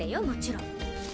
もちろん。